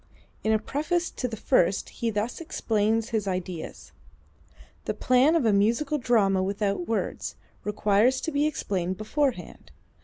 In a preface to the first he thus explains his ideas: "The plan of a musical drama without words, requires to be explained beforehand.